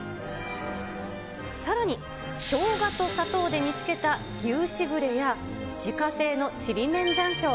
さらにしょうがと砂糖で煮つけた牛しぐれや、自家製のちりめんざんしょう。